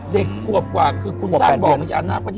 เด็กขวบกว่าคือคุณสร้างบ่อพญานาคพอดี